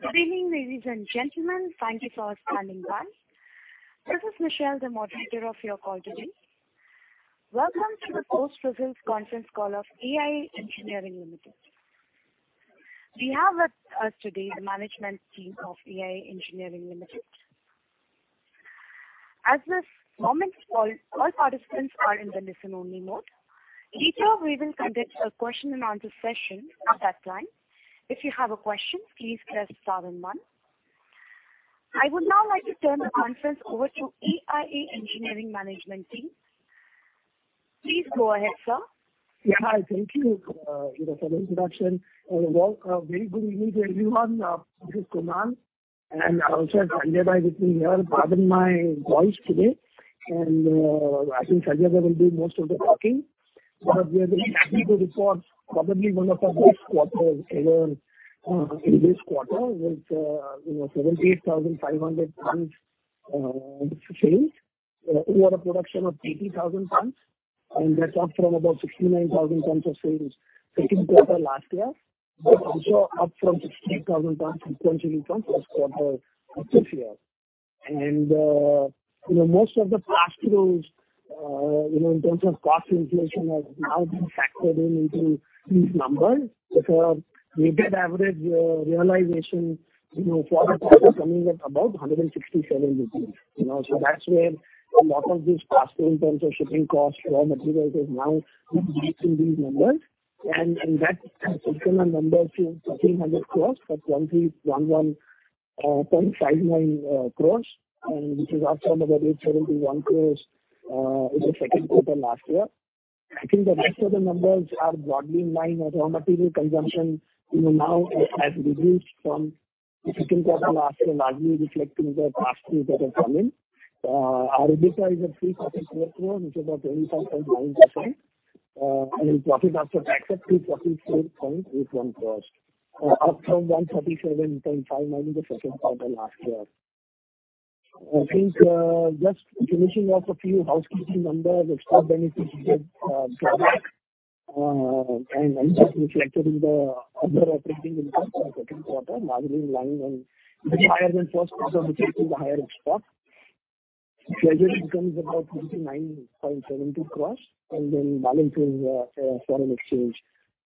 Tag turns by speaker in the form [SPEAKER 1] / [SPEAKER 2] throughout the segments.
[SPEAKER 1] Good evening, ladies and gentlemen. Thank you for standing by. This is Michelle, the moderator of your call today. Welcome to the post-results conference call of AIA Engineering Limited. We have with us today the management team of AIA Engineering Limited. At this time, all participants are in the listen-only mode. Later, we will conduct a question and answer session at that time. If you have a question, please press star and one. I would now like to turn the conference over to AIA Engineering management team. Please go ahead, sir.
[SPEAKER 2] Yeah. Thank you know, for the introduction. Well, a very good evening to everyone. This is Kunal, and I also have Sanjay with me here. Pardon my voice today. I think Sanjay will do most of the talking. We are very happy to report probably one of our best quarters ever, in this quarter with, you know, 78,500 tons of sales. We had a production of 80,000 tons, and that's up from about 69,000 tons of sales Q2 last year. It's also up from 68,000 tons in the Q1 of this year. Most of the past due, you know, in terms of cost inflation has now been factored into these numbers. With a weighted average realization, you know, for the quarter coming at about 167 rupees. You know, that's where a lot of this pass through in terms of shipping costs, raw material, is now reflected in these numbers. That procurement number is INR 1,300 crores for 21.159 crores, and which is also another 871 crores in the Q2 last year. I think the rest of the numbers are broadly in line. Our raw material consumption, you know, now has reduced from the Q2 last year, largely reflecting the past due that have come in. Our EBITDA is at 344 crores, which is up 25.9%. Profit after tax at 344.81 crores, up from 137.59 in the Q2 last year. I think just finishing off a few housekeeping numbers, extra benefits we gave and reflecting the other operating income in the Q2, largely in line and a bit higher than first because of the higher extra. Treasury incomes about 59.72 crores, and then balance is foreign exchange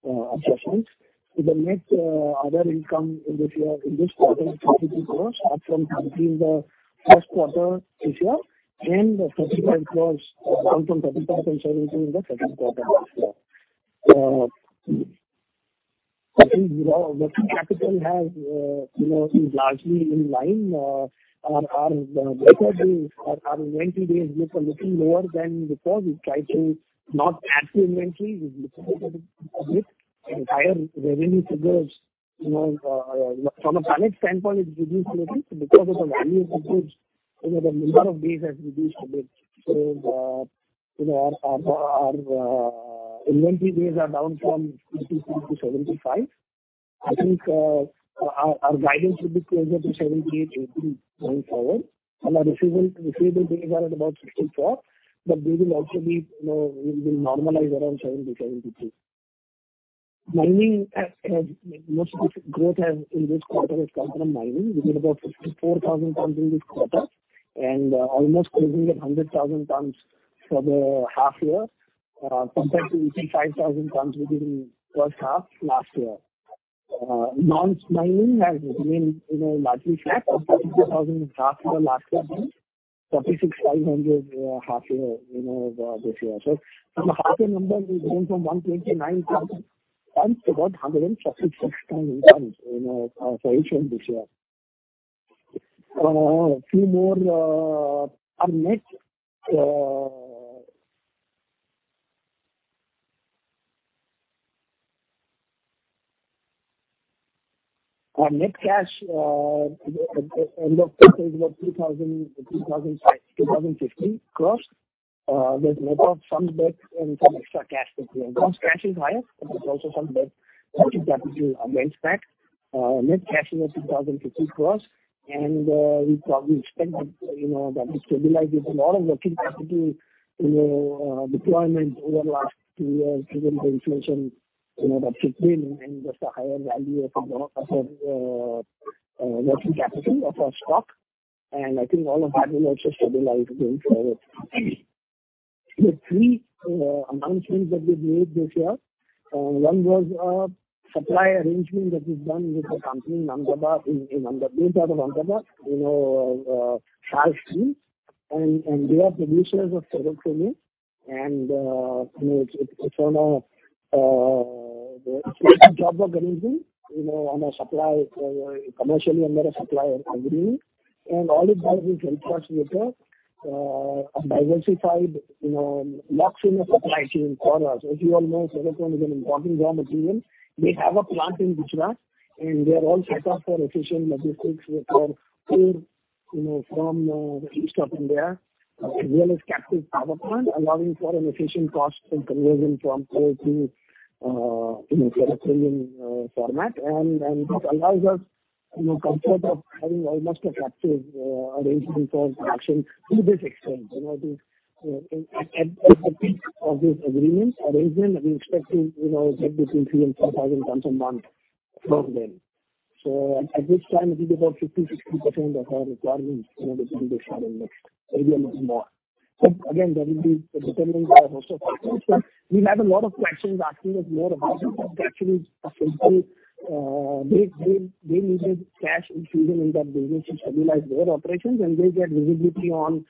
[SPEAKER 2] adjustments. The net other income in this year, in this quarter is INR 42 crores, up from 13 in the Q1 this year, and INR 35 crores down from 35.72 in the Q2 last year. I think you know, working capital has you know, is largely in line. Our receivables days, our inventory days look a little lower than before. We try to not add to inventory. We look at the higher revenue figures. You know, from a plant standpoint, it's reduced slightly. Because of the value of the goods, you know, the number of days has reduced a bit. Our inventory days are down from 53 to 75. I think our guidance will be closer to 78-80 going forward. Our receivable days are at about 64, but they will also normalize around 70-72. Most of this growth in this quarter has come from mining. We did about 54,000 tons in this quarter and almost clocking at 100,000 tons for the half year, compared to 85,000 tons we did in first half last year. Non-mining has remained, you know, largely flat at 52,000 tons for the last year against 46,500 half year, you know, this year. From a half year numbers, we've gone from 129,000 tons to about 146,000 tons, you know, for AIA this year. Our net cash at the end of quarter is about 2,050 crores. There's a level of funded debt and some extra cash that we have. Gross cash is higher, but there's also some debt, working capital against that. Net cash is at 2,050 crores, and we probably expect that, you know, that to stabilize. There's a lot of working capital, you know, deployment over last two years given the inflation, you know, that's been and just a higher value of working capital of our stock. I think all of that will also stabilize going forward. The three announcements that we made this year, one was a supply arrangement that we've done with a company in Ahmedabad, out of Ahmedabad, you know, Shashi Industries. They are producers of silicon. You know, it's basically job work arrangement, you know, on a supply commercially under a supplier agreement. All it does is help us with a diversified, you know, upstream of supply chain for us. As you all know, silicon is an important raw material. They have a plant in Gujarat, and they are all set up for efficient logistics with our port, you know, from the east of India, as well as captive power plant, allowing for an efficient cost in conversion from CO to, you know, silicon format. It allows us, you know, comfort of having almost a captive arrangement for production to this extent. You know, at the peak of this agreement, arrangement, we expect to, you know, get between 3,000 and 4,000 tons a month from them. At this time it will be about 50-60% of our requirements, you know, that we will be starting next. Maybe a little more. Again, that will be determined by a host of factors. We have a lot of questions asking us more about it. Actually, they needed cash infusion in that business to stabilize their operations, and they get visibility on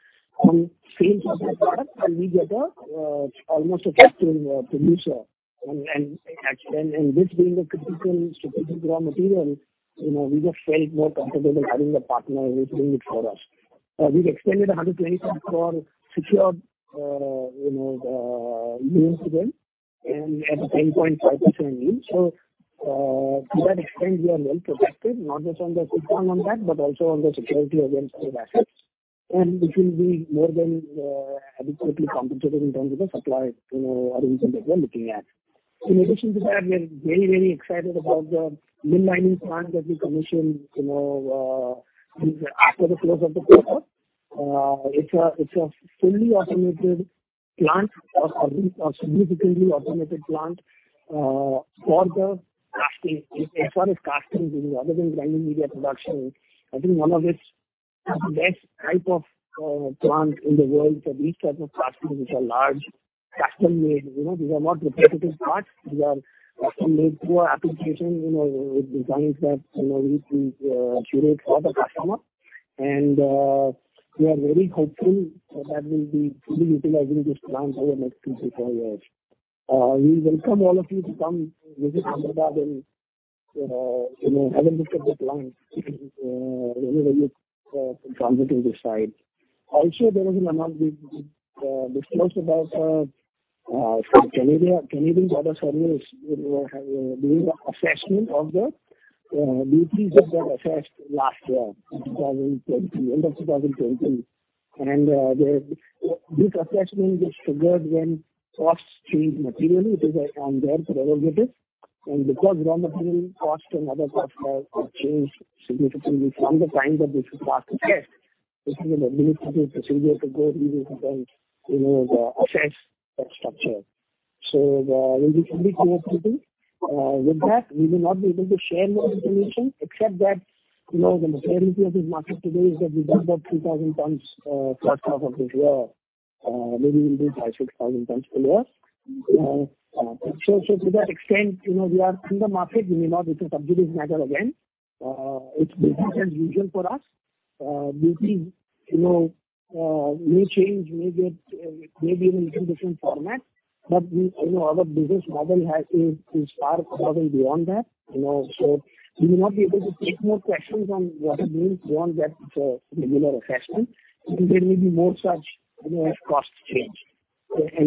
[SPEAKER 2] sales of that product, and we get almost a captive producer. This being a critical strategic raw material, you know, we just felt more comfortable having a partner who is doing it for us. We've extended 124 crore secured loans to them and at a 10.5% yield. To that extent, we are well protected, not just on the coupon on that, but also on the security against their assets. It will be more than adequately compensated in terms of the supply, you know, arrangements that we are looking at. In addition to that, we are very, very excited about the new mining plant that we commissioned, you know, after the close of the quarter. It's a fully automated plant or significantly automated plant for the casting. As far as castings other than grinding media production, I think one of its best type of plant in the world for these type of castings, which are large custom-made. You know, these are not repetitive parts. These are custom-made to our application. You know, with designs that, you know, we create for the customer. We are very hopeful that we'll be fully utilizing this plant over the next two to four years. We welcome all of you to come visit Ahmedabad and, you know, have a look at the plant whenever you come visiting this side. Also, there was an amount we disclosed about Canadian Border Services Agency, you know, doing assessment of the duties that got assessed last year in 2020, end of 2020. This assessment is triggered when costs change materially. It is on their prerogative. Because raw material costs and other costs have changed significantly from the time that this was passed, this is an administrative procedure to go revisit and, you know, assess that structure. We'll be fully cooperating with that. We will not be able to share more information except that, you know, the materiality of this market today is that we done about 3,000 tons first half of this year. Maybe we'll do 5,000-6,000 tons full year. To that extent, you know, we are in the market. We may not be able to update this matter again. It's business as usual for us. Duties, you know, may change, may get, may be in a different format. We, you know, our business model has a spark probably beyond that, you know. We will not be able to take more questions on what it means beyond that, regular assessment. There may be more such, you know, cost change.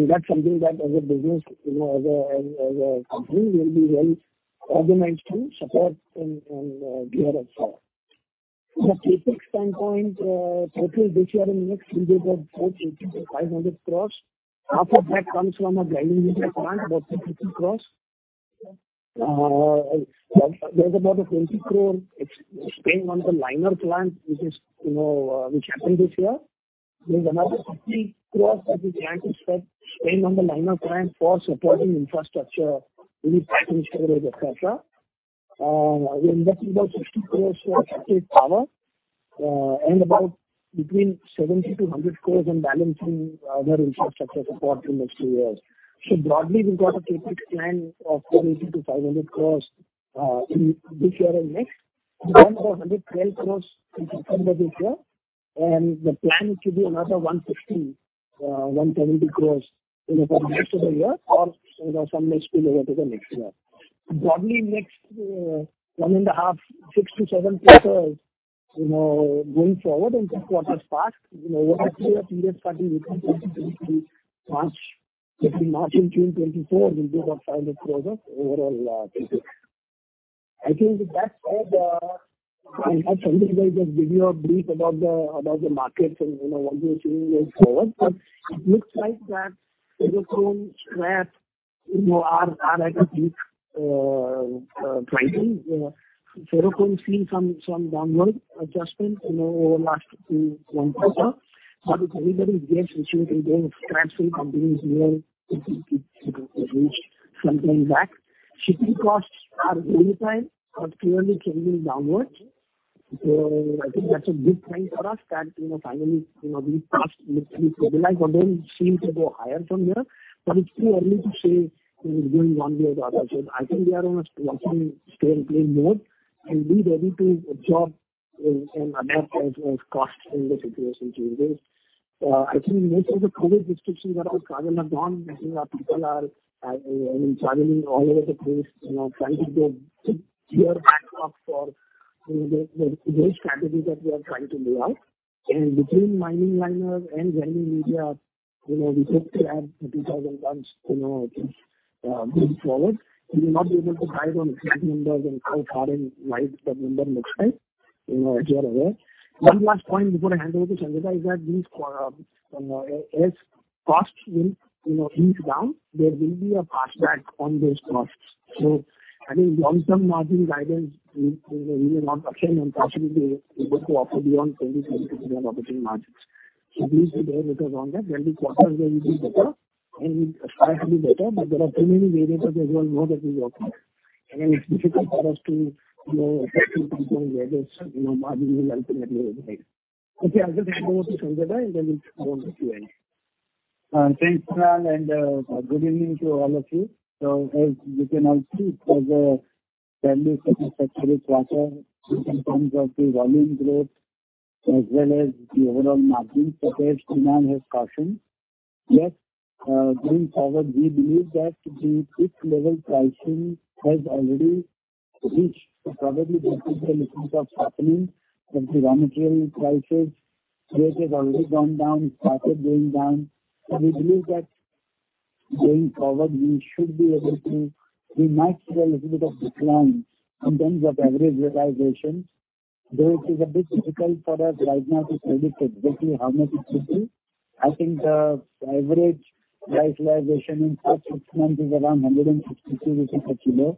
[SPEAKER 2] That's something that as a business, you know, as a company, we'll be well organized to support and gear ourselves. From the CapEx standpoint, total this year and next will be about 480-500 crores. Half of that comes from our grinding media plant, about 250 crores. There's about 20 crore spent on the liner plant, which is, you know, which happened this year. There's another INR 50 crore that we plan to spend on the liner plant for supporting infrastructure, release pattern storage, et cetera. We're investing about INR 60 crore for associated power, and about 70-100 crore on balancing other infrastructure support in the next two years. Broadly, we've got a CapEx plan of 480-500 crore in this year and next. We spent about 112 crore in September this year. The plan should be another 150-170 crore, you know, for the rest of the year or, you know, some may spill over to the next year. Broadly next, 1.5, 6-7 quarters, you know, going forward in three quarters past, you know, over a three-year period starting with March, between March and June 2024, we'll do about INR 500 crores of overall CapEx. I think with that said, I'll have Sanjay Majmudar just give you a brief about the markets and, you know, what we are seeing way forward. It looks like that ferrochrome scrap, you know, are at a peak pricing. Ferrochrome seen some downward adjustment, you know, over last 2, 1 quarter. If anybody is seriously doing scrap-based companies, you know, it will keep some time back. Shipping costs are very high, but clearly changing downwards. I think that's a good sign for us that, you know, finally, you know, we passed literally stable like, but then seem to go higher from there. It's too early to say if it's going one way or the other. I think we are on a wait-and-see mode and be ready to absorb and adapt as costs and the situation changes. I think in most of the product descriptions that our colleagues have gone, you know, people are, you know, traveling all over the place, you know, trying to get clear backdrop for, you know, the strategies that we are trying to roll out. Between mining liners and grinding media, you know, we hope to add 2,000 tons, you know, I think, going forward. We will not be able to guide on exact numbers and how far and wide that number looks like, you know, as you are aware. One last point before I hand over to Sanjay Majmudar is that these, you know, as costs will, you know, inch down, there will be a pass through on those costs. I think long-term margin guidance will, you know, not worsen and possibly be able to offer beyond 2022-year operating margins. These are the areas we focus on that when the quarters will be better and start to be better. There are too many variables as well, you know, that we work on, and it's difficult for us to, you know, exactly pinpoint where this, you know, margin will ultimately arrive. Okay, I'll just hand over to Sanjay Majmudar, and then we'll go on to Q&A.
[SPEAKER 3] Thanks, Kunal, and good evening to all of you. As you can all see, it was a fairly satisfactory quarter in terms of the volume growth as well as the overall margin. As Kunal has cautioned, yes, going forward, we believe that the fixed level pricing has already reached probably the peak a little bit of the hammering of the raw material prices. The rate has already gone down, started going down. We believe that going forward, we should be able to. We might see a little bit of decline in terms of average realization, though it is a bit difficult for us right now to predict exactly how much it should be. I think the average price realization in first six months is around 162 rupees per kilo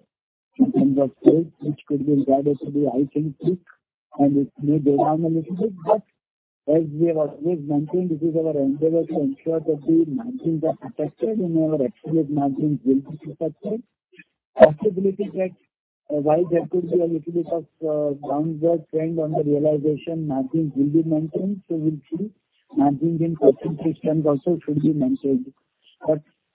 [SPEAKER 3] in terms of sales, which could be regarded to be high since peak, and it may go down a little bit. As we have always mentioned, it is our endeavor to ensure that the margins are protected and our absolute margins will be protected. Possibility that while there could be a little bit of downward trend on the realization, margins will be maintained. We'll see margins in second six months also should be maintained.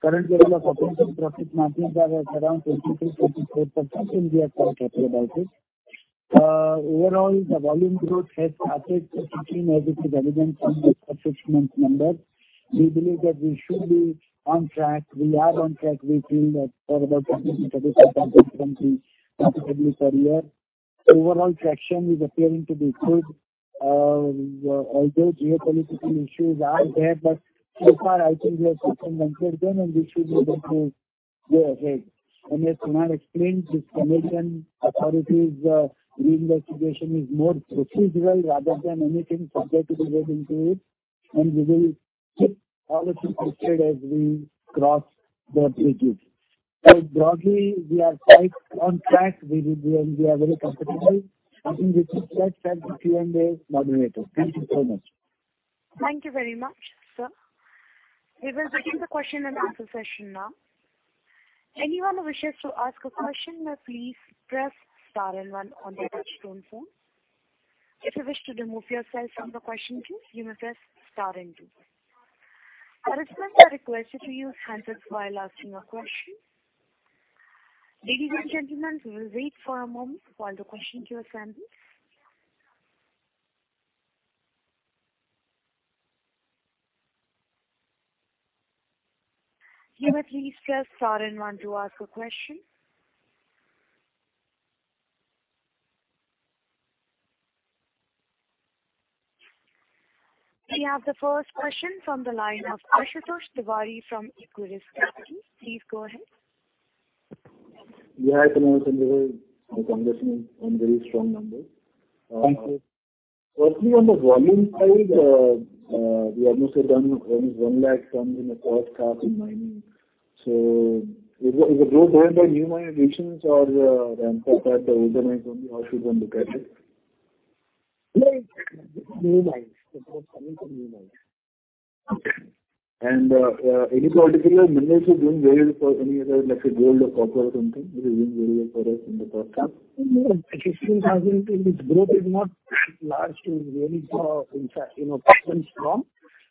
[SPEAKER 3] Currently, the second six months margins are at around 23%-24%, and we are quite happy about it. Overall, the volume growth has started picking as it is evident from the first six months numbers. We believe that we should be on track. We are on track. We feel that for about 50%-30% increase from the comparable prior year. Overall traction is appearing to be good. Although geopolitical issues are there, but so far I think we have taken care of them, and we should be able to go ahead. As Kunal explained, this Commission authorities reinvestigation is more procedural rather than anything substantial getting to it. We will keep all of you posted as we cross the bridges. Broadly, we are quite on track. We are very comfortable. I think with this slide start the Q&A moderator. Thank you so much.
[SPEAKER 1] Thank you very much, sir. We will begin the question and answer session now. Anyone who wishes to ask a question now please press star and one on your touchtone phone. If you wish to remove yourself from the question queue, you may press star and two. I request that you use hands-free while asking your question. Ladies and gentlemen, we will wait for a moment while the question queue assembles. You may please press star and one to ask a question. We have the first question from the line of Ashutosh Tiwari from Equirus Securities. Please go ahead.
[SPEAKER 4] Hi, Kunal and Sanjay. Congratulations on very strong numbers.
[SPEAKER 2] Thank you.
[SPEAKER 4] Firstly, on the volume side, we almost have done 100,000 tons in the first half in mining. Is the growth driven by new mine additions or ramp up at the existing mines only? How should one look at it?
[SPEAKER 2] No, it's new mines. It is coming from new mines.
[SPEAKER 4] Okay. Any particular minerals which doing very well for any other, like gold or copper or something which is doing very well for us in the first half?
[SPEAKER 2] No. 16,000 tons. Its growth is not that large to really, you know, talk strongly,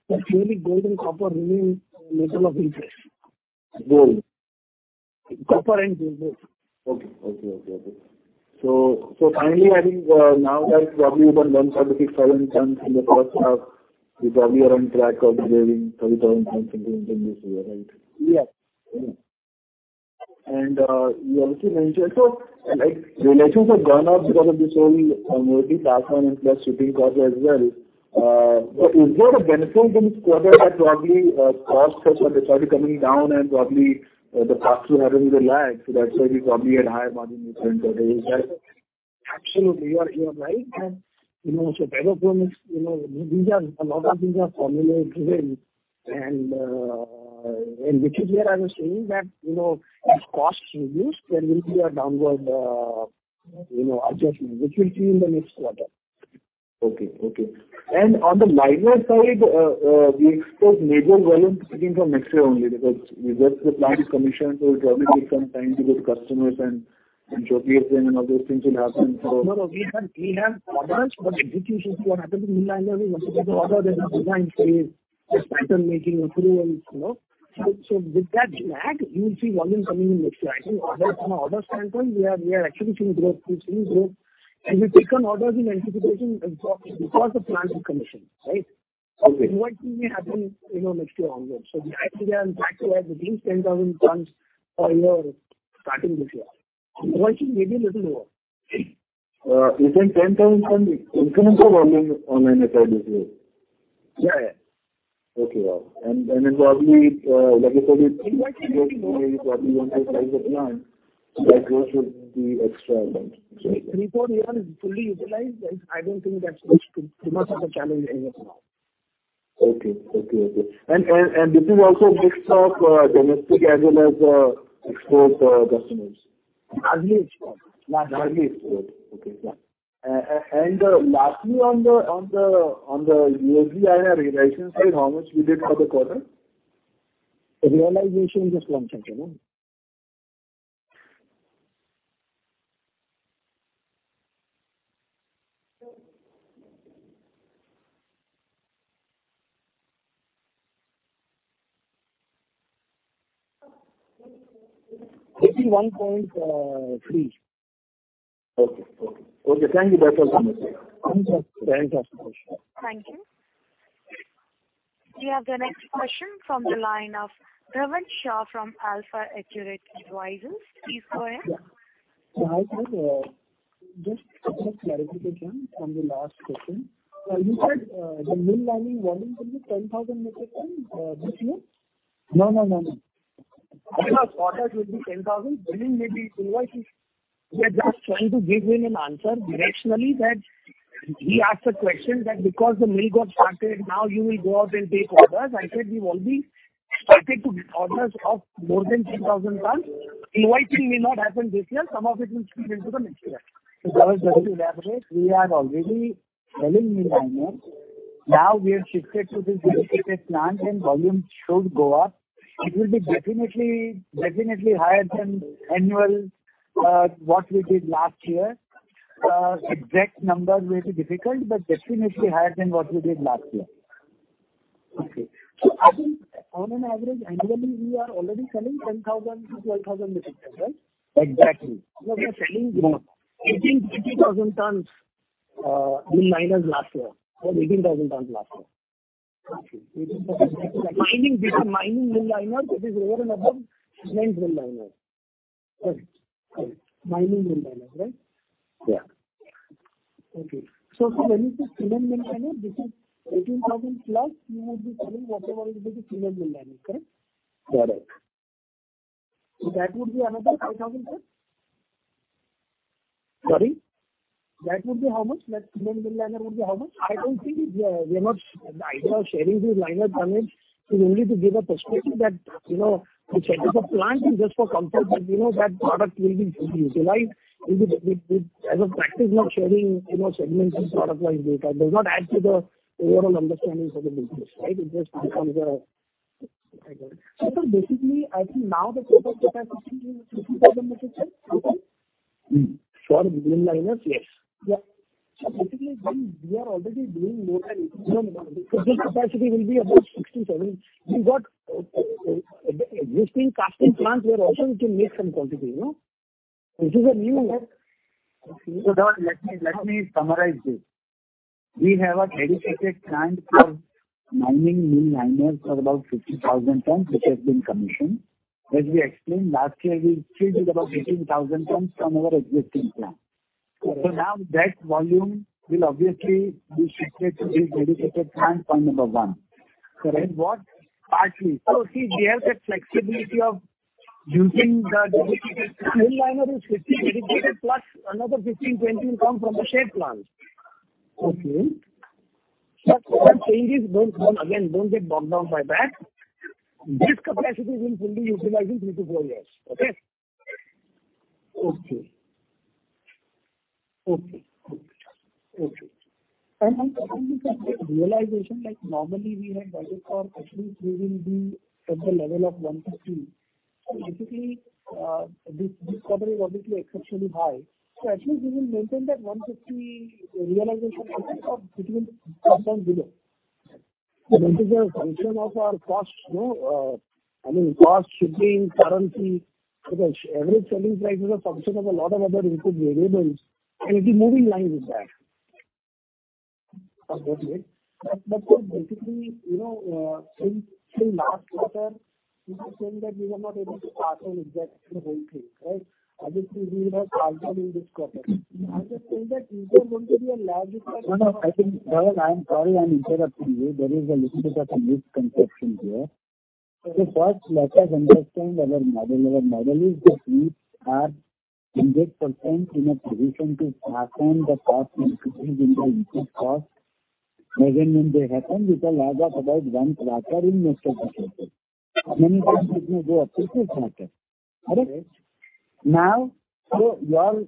[SPEAKER 2] but mainly gold and copper remain metals of interest.
[SPEAKER 4] Gold.
[SPEAKER 2] Copper and gold.
[SPEAKER 4] Finally, I think, now that you've probably done 177 tons in the first half, you probably are on track of delivering 30,000 tons increment in this year, right?
[SPEAKER 2] Yeah.
[SPEAKER 4] You also mentioned like realizations have gone up because of this whole annuity platform and plus shipping costs as well. Is there a benefit in this quarter that probably cost pressure is already coming down and probably the pass through happened with a lag, so that's why we probably had higher margin this time. Is that?
[SPEAKER 2] Absolutely. You are right. You know, so better performance, you know, these are a lot of things are formula driven. Which is where I was saying that, you know, if costs reduce, there will be a downward, you know, adjustment which we'll see in the next quarter.
[SPEAKER 4] Okay. Okay. On the liner side, we expect major volume picking from next year only because with the plant is commissioned, so it'll probably take some time to get customers and showcase them and all those things will happen.
[SPEAKER 2] No. We have orders, but execution. What happens in the line is once you get the order, there's a design phase, this pattern making approvals, you know. With that lag, you will see volume coming in next year. I think orders, from an order standpoint, we are actually seeing growth, good growth. We've taken orders in anticipation of before the plant is commissioned, right?
[SPEAKER 4] Okay.
[SPEAKER 2] What may happen, you know, next year onwards. The idea and plan to have at least 10,000 tons a year starting this year. One should maybe a little more.
[SPEAKER 4] You think 10,000 tons increment of volume on an FY basis?
[SPEAKER 2] Yeah, yeah.
[SPEAKER 4] Okay. Wow. Then probably, like I said, it's probably want to size the plant so that growth should be extra then.
[SPEAKER 2] Report here is fully utilized. I don't think that's supposed to be much of a challenge anymore.
[SPEAKER 4] Okay. This is also a mix of domestic as well as export customers?
[SPEAKER 2] Largely it's good. Okay. Yeah. Lastly, on the realization, just one second. It is 1.3. Okay, thank you. That was so much. Fantastic question.
[SPEAKER 1] Thank you. We have the next question from the line of Dhavan Shah from AlfAccurate Advisors. Please go ahead.
[SPEAKER 5] Hi, sir. Just to get clarification from the last question. You said the mill liner volume will be 10,000 metric tons this year.
[SPEAKER 2] No. I think our quarter will be 10,000. Billing may be invoice. We are just trying to give him an answer directionally that he asked a question that because the mill got started, now you will go out and take orders. I said we've already started to get orders of more than 10,000 tons. Invoicing may not happen this year. Some of it will spill into the next year. Dhavan, just to elaborate, we are already selling mill liners. Now we have shifted to this dedicated plant, and volume should go up. It will be definitely higher than annual what we did last year. Exact numbers may be difficult, but definitely higher than what we did last year. Okay. I think on an average, annually, we are already selling 10,000-12,000 metric ton, right?
[SPEAKER 3] Exactly.
[SPEAKER 2] We are selling 18,000-20,000 tons mill liners last year or 18,000 tons last year.
[SPEAKER 5] Okay. Mining. This is mining mill liners. It is over and above cement mill liners.
[SPEAKER 2] Correct. Correct.
[SPEAKER 5] Mining mill liners, right?
[SPEAKER 2] Yeah.
[SPEAKER 5] Okay. When you say cement mill liner, this is 18,000 plus you will be selling whatever will be the cement mill liner. Correct?
[SPEAKER 2] Correct.
[SPEAKER 5] That would be another 5,000 tons?
[SPEAKER 2] Sorry?
[SPEAKER 5] That would be how much? That cement mill liner would be how much?
[SPEAKER 2] I don't think we are not. The idea of sharing these liner tonnage is only to give a perspective that, you know, the setup of plant is just for comfort that, you know, that product will be fully utilized. We'd be as a practice not sharing, you know, segment this product line data. Does not add to the overall understanding of the business, right? It just becomes a.
[SPEAKER 5] I got it. Basically, I think now the total capacity is 50,000 metric tons.
[SPEAKER 2] For the mill liners, yes. Yeah. Basically when we are already doing more than 10,000, this capacity will be about 60, 70. We've got existing casting plants where also we can make some quantity, no? This is a new one. Let me summarize this. We have a dedicated plant for mining mill liners of about 50,000 tons, which has been commissioned. As we explained last year, we still did about 18,000 tons from our existing plant. Correct. Now that volume will obviously be shifted to this dedicated plant, point number one. Correct. In what? Partly. See, we have that flexibility of using the dedicated mill liner is 50 dedicated plus another 15-20 will come from the shared plant. Okay. What I'm saying is don't again, don't get bogged down by that. This capacity will fully utilize in three to four years.
[SPEAKER 5] Okay. Finally, sir, realization, like normally we had budget for actually it will be at the level of 150. Basically, this quarter is obviously exceptionally high. Actually we will maintain that 150 realization or it will come down below?
[SPEAKER 2] It is a function of our costs, you know, I mean, cost, shipping, currency. Because average selling price is a function of a lot of other input variables, and it will move in line with that.
[SPEAKER 5] Absolutely. Basically, you know, since the last quarter, you were saying that we were not able to pass on exactly the whole thing, right?
[SPEAKER 2] Obviously, we have partially passed on.
[SPEAKER 5] I'm just saying, is there going to be a lag effect?
[SPEAKER 2] No, no. I think, Dhavan, I am sorry I'm interrupting you. There is a little bit of a misconception here. First let us understand our model. Our model is that we are 100% in a position to pass on the cost increases in the input cost. Again, when they happen, with a lag of about one quarter in most of the cases. Many times it may go quicker than that. Correct. Now, so your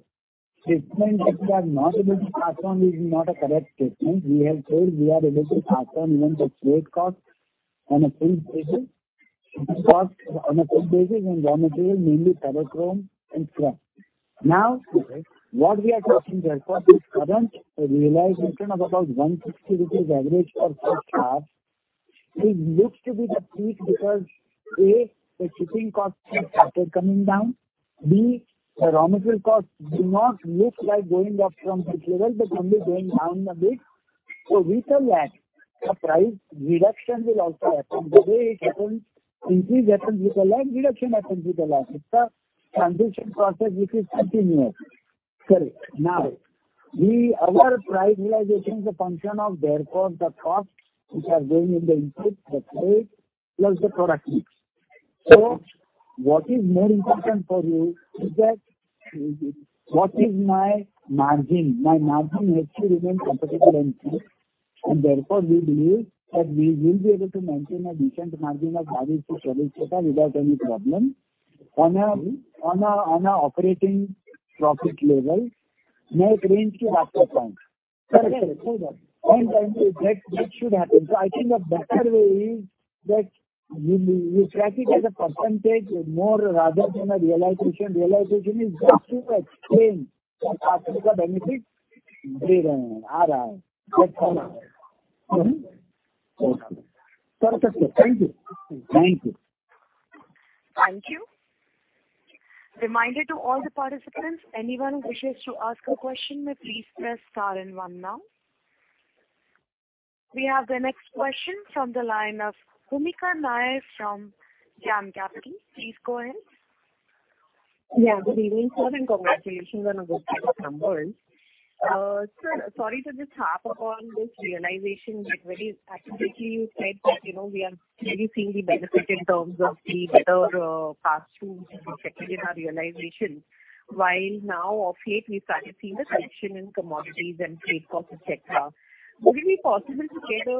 [SPEAKER 2] statement that we are not able to pass on is not a correct statement. We have said we are able to pass on even the freight cost on a full basis. Cost on a full basis and raw material, mainly ferrochrome and scrap. Now what we are talking therefore is current realization of about 150 rupees average for first half. It looks to be the peak because, A, the shipping costs have started coming down. B, the raw material costs do not look like going up from this level. They're only going down a bit. With a lag, a price reduction will also happen. The way it happens, increase happens with a lag, reduction happens with a lag. It's a transition process which is continuous. Correct. Our price realization is a function of therefore the costs which are going in the input, the freight plus the product mix. What is more important for you is that what is my margin? My margin has to remain competitive. Therefore, we believe that we will be able to maintain a decent margin of 22%-23% without any problem. On a operating profit level my range is after tax.
[SPEAKER 5] Correct, sir. Well done.
[SPEAKER 2] That should happen. I think the better way is that you track it as a percentage more rather than a realization. Realization is just to explain what are the benefits we are having.
[SPEAKER 5] Okay. Mm-hmm. Well done. Perfect, sir. Thank you.
[SPEAKER 2] Thank you.
[SPEAKER 1] Thank you. Reminder to all the participants, anyone who wishes to ask a question may please press star and one now. We have the next question from the line of Bhoomika Nair from DAM Capital. Please go ahead.
[SPEAKER 6] Yeah. Good evening, sir, and congratulations on a good set of numbers. Sir, sorry to just harp on this realization, but very accurately you said that, you know, we are really seeing the benefit in terms of the better pass-throughs reflected in our realizations, while now of late we started seeing a correction in commodities and trade costs, et cetera. Would it be possible to get a,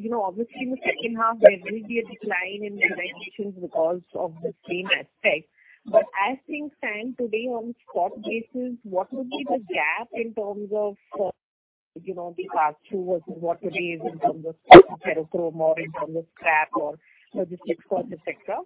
[SPEAKER 6] you know, obviously in the second half there will be a decline in realizations because of the same aspect. As things stand today on spot basis, what would be the gap in terms of, you know, the pass-through versus what it is in terms of ferrochrome or in terms of scrap or logistics costs, et cetera?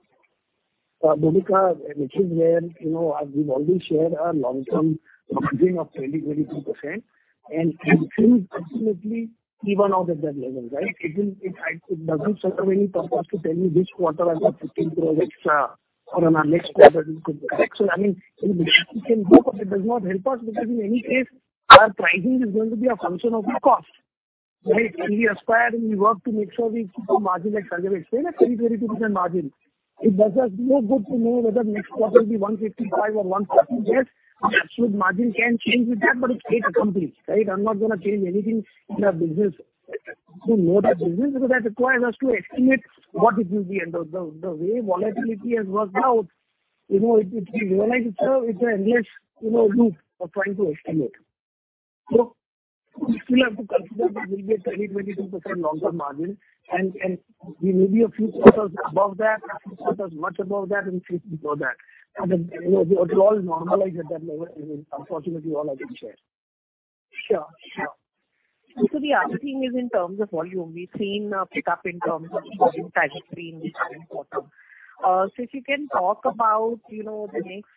[SPEAKER 2] Bhoomika, it is where, you know, we've already shared our long-term targeting of 20%-22%, and it will absolutely even out at that level, right? It doesn't serve any purpose to tell you this quarter I got 15% extra or in our next quarter we could. Actually, I mean, we can hope, but it does not help us because in any case our pricing is going to be a function of the cost, right? We aspire and we work to make sure we keep the margin at target, say a 20%-22% margin. It does us no good to know whether next quarter will be 155 or 170. Yes, absolute margin can change with that, but it's eight companies, right? I'm not gonna change anything in our business to know that business because that requires us to estimate what it will be. The way volatility has worked out, you know, it we realize it's an endless, you know, loop of trying to estimate. We still have to consider that we'll get 22% long-term margin and we may be a few quarters above that, a few quarters much above that, and a few below that. Then, you know, it'll all normalize at that level, even unfortunately all I can share.
[SPEAKER 6] The other thing is in terms of volume. We've seen a pickup in terms of volume trajectory in the current quarter. If you can talk about, you know, the next,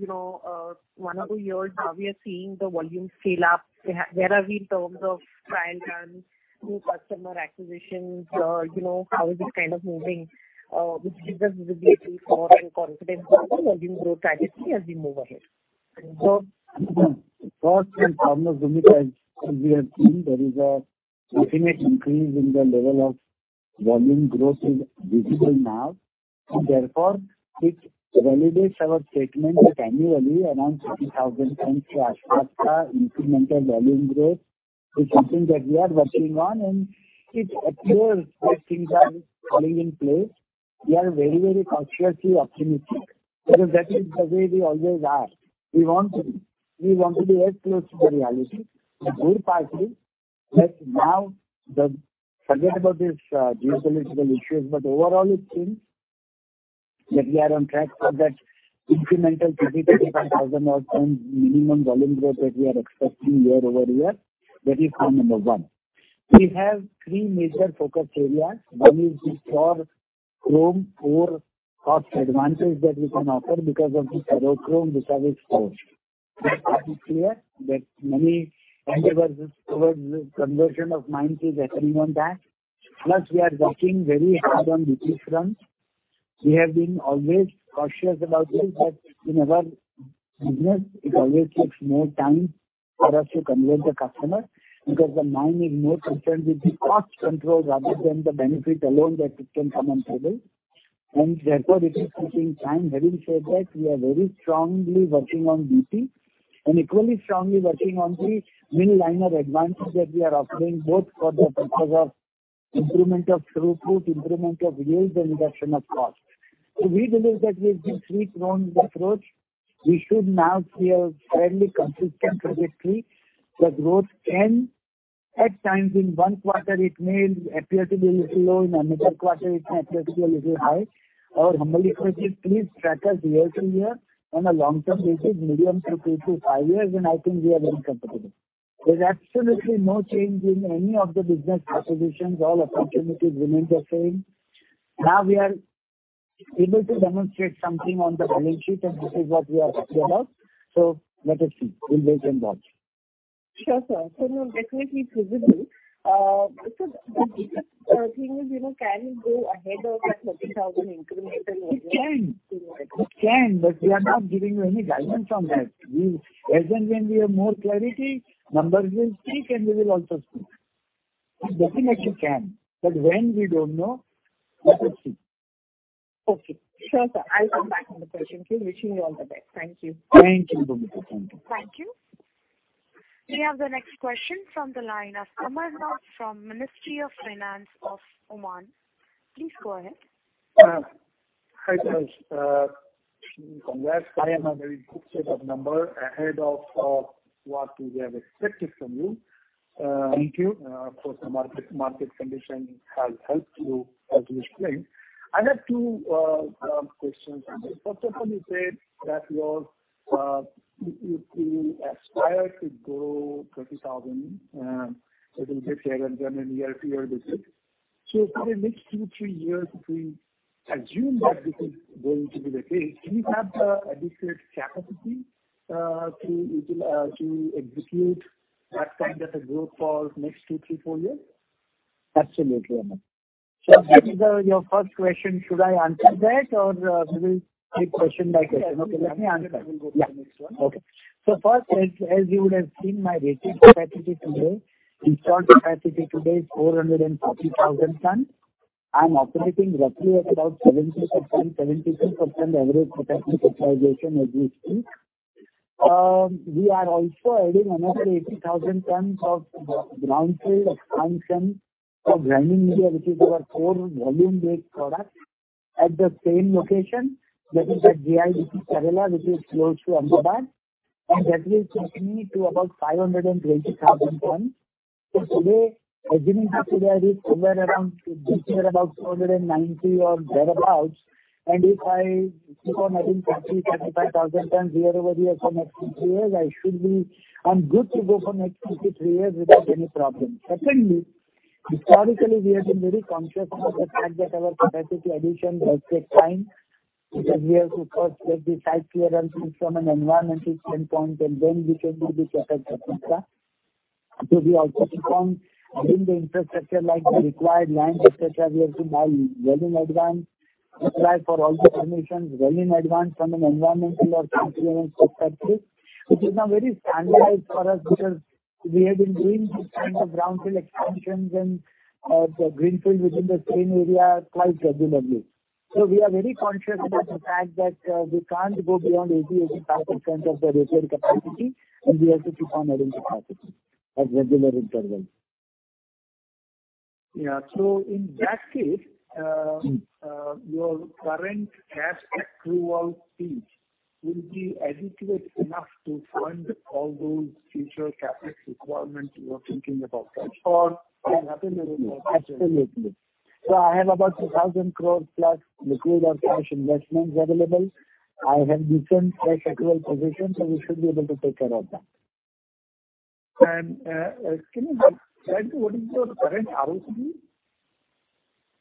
[SPEAKER 6] you know, one or two years, how we are seeing the volume scale up. Where are we in terms of trial runs, new customer acquisitions, how is it kind of moving, which gives us visibility for and confidence about the volume growth trajectory as we move ahead.
[SPEAKER 2] First and foremost, Bhoomika, as we have seen, there is a definite increase in the level of volume growth is visible now. Therefore it validates our statement that annually around 30,000 tons to as per the incremental volume growth is something that we are working on and it appears that things are falling in place. We are very, very cautiously optimistic because that is the way we always are. We want to be as close to the reality. The good part is that now. Forget about these geopolitical issues, but overall it seems that we are on track for that incremental 30,000-35,000 odd tons minimum volume growth that we are expecting year-over-year. That is point number one. We have three major focus areas. One is the core chrome ore cost advantage that we can offer because of the ferrochrome reserve is core. That part is clear that many endeavors towards the conversion of mines is happening on that. Plus we are working very hard on VT front. We have been always cautious about this, but in our business it always takes more time for us to convert the customer because the mine is more concerned with the cost control rather than the benefit alone that it can come to the table. And therefore it is taking time. Having said that, we are very strongly working on VT and equally strongly working on the mine liner advantage that we are offering both for the purpose of improvement of throughput, improvement of yields and reduction of cost. We believe that with the three-pronged approach, we should now see a fairly consistent trajectory. The growth can at times in one quarter it may appear to be a little low. In another quarter it may appear to be a little high. Our humble request is please track us year to year on a long-term basis, medium three to five years, and I think we are very comfortable. There's absolutely no change in any of the business propositions. All opportunities remain the same. Now we are able to demonstrate something on the balance sheet, and this is what we are happy about. Let us see. We'll wait and watch.
[SPEAKER 6] Sure, sir. No, definitely feasible. Sir, but the thing is, you know, can you go ahead of that 30,000 incremental.
[SPEAKER 2] It can.
[SPEAKER 6] Okay.
[SPEAKER 2] It can, but we are not giving you any guidance on that. As and when we have more clarity, numbers will speak and we will also speak. It definitely can, but when? we don't know. Let us see.
[SPEAKER 6] Okay. Sure, sir, I'll come back on the question. Wishing you all the best. Thank you.
[SPEAKER 2] Thank you, Bhoomika. Thank you.
[SPEAKER 1] Thank you. We have the next question from the line of Amarnath from Ministry of Finance of Oman. Please go ahead.
[SPEAKER 7] Hi, Amarnath, congrats. It's a very good set of numbers ahead of what we expected from you. Thank you. Of course, the market condition has helped you, as you explained. I have two quick questions. First of all, you said that you aspire to grow 30,000 Mm-hmm. year-to-year basis. For the next two, three years, if we assume that this is going to be the case, do you have the adequate capacity to execute that kind of a growth for next two, three, four years?
[SPEAKER 2] Absolutely, Amarnath. That is your first question. Should I answer that or we will take question by question? Okay, let me answer. Yeah. Okay. First, as you would have seen, the rated capacity today, installed capacity today is 450,000 tons. I'm operating roughly at about 70%-72% average potential utilization as we speak. We are also adding another 80,000 tons of greenfield expansion for grinding media, which is our core volume-based product at the same location. That is at GIDC Dahej, which is close to Ahmedabad, and that will take me to about 520,000 tons. Today, assuming that today I reach somewhere around 490 or thereabout, and if I keep on adding 30-35 thousand tons year-over-year for next two, three years, I'm good to go for next two to three years without any problem. Secondly, historically, we have been very conscious of the fact that our capacity addition does take time because we have to first get the site clearance from an environmental standpoint, and then we can do the CapEx as such. We also keep on doing the infrastructure, like the required land, et cetera, we have to buy well in advance, apply for all the permissions well in advance from an environmental or compliance perspective, which is now very standardized for us because we have been doing these kinds of brownfield expansions and greenfield within the same area quite regularly. We are very conscious about the fact that we can't go beyond 80%-85% of the rated capacity, and we have to keep on adding capacity at regular intervals. Yeah.
[SPEAKER 7] In that case, your current cash accruals will be adequate enough to fund all those future CapEx requirements you are thinking about, right?
[SPEAKER 2] Absolutely. I have about 2,000 crores plus liquid or cash investments available. I have decent cash accrual position, so we should be able to take care of that.
[SPEAKER 7] Can you clarify what is your current ROCE?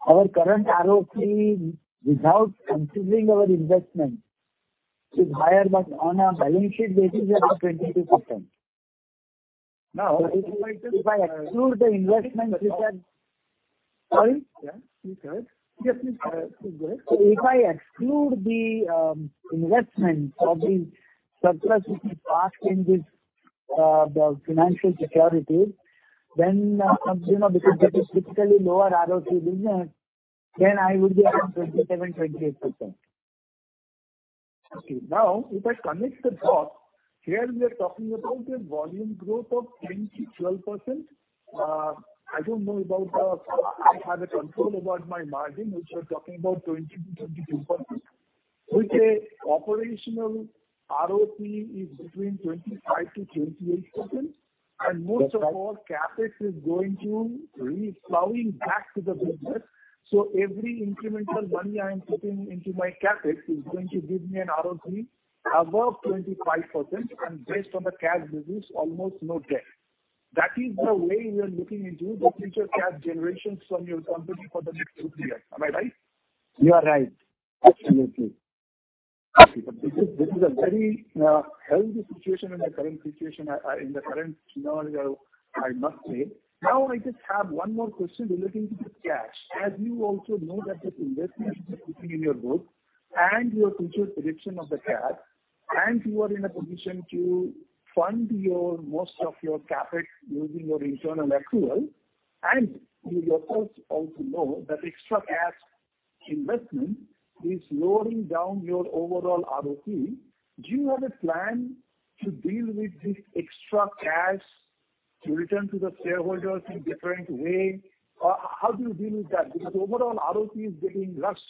[SPEAKER 2] Our current ROCE, without considering our investment, is higher, but on a balance sheet basis, about 22%. If I exclude the investment or the surplus which we parked in the financial securities, then, you know, because that is typically lower ROCE business, then I would be around 27%-28%.
[SPEAKER 7] Okay.
[SPEAKER 2] Now, if I connect the dots, here we are talking about a volume growth of 10%-12%. I have a control about my margin, which we are talking about 20%-22%, with an operational ROCE between 25%-28%. That's right. Most of all, CapEx is going to be flowing back to the business. Every incremental money I am putting into my CapEx is going to give me an ROCE above 25%, and based on the cash business, almost no debt. That is the way you are looking into the future cash generations from your company for the next two, three years. Am I right?
[SPEAKER 7] You are right. Absolutely. Okay. This is a very healthy situation in the current scenario, I must say. Now I just have one more question relating to the cash. As you also know that the investments you're keeping in your book and your future prediction of the cash, and you are in a position to fund most of your CapEx using your internal accrual, and you yourself also know that extra cash investment is lowering down your overall ROCE. Do you have a plan to deal with this extra cash to return to the shareholders in different way? Or how do you deal with that? Because overall ROCE is getting crushed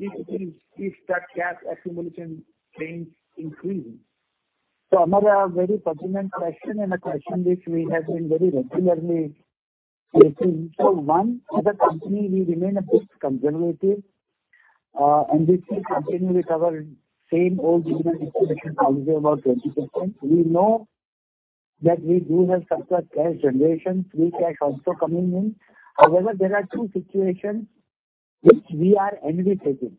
[SPEAKER 7] if that cash accumulation trend increases.
[SPEAKER 2] Another very pertinent question, and a question which we have been very regularly facing. One, as a company, we remain a bit conservative, and we keep continuing with our same old dividend distribution policy about 20%. We know that we do have surplus cash generation, free cash also coming in. However, there are two situations which we are envisaging.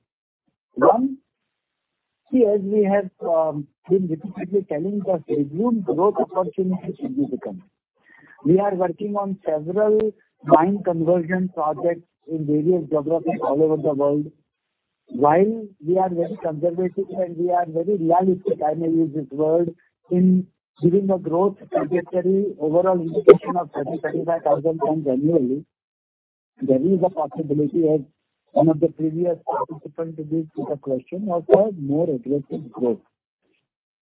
[SPEAKER 2] One, see, as we have been repeatedly telling the volume growth opportunities will be coming. We are working on several mine conversion projects in various geographies all over the world. While we are very conservative and we are very realistic, I may use this word, in giving a growth trajectory overall indication of 30,000-35,000 tons annually, there is a possibility as one of the previous participant did put a question was a more aggressive growth.